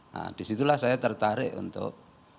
nah disitulah saya tertarik untuk